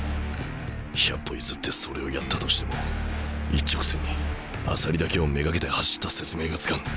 百歩譲ってそれをやったとしても一直線に朝利だけを目がけて走った説明がつかん。